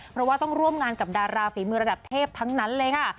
เพราะว่าต้องร่วมงานกับดาราฝีมือระดับเทพทั้งนั้นเลยค่ะ